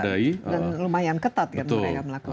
dan lumayan ketat kan mereka melakukan